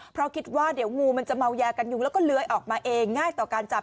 เพราะคิดว่าเดี๋ยวงูมันจะเมายากันยุงแล้วก็เลื้อยออกมาเองง่ายต่อการจับ